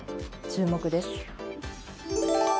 注目です。